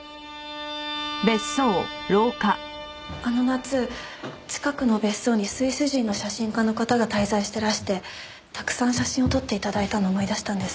あの夏近くの別荘にスイス人の写真家の方が滞在してらしてたくさん写真を撮って頂いたのを思い出したんです。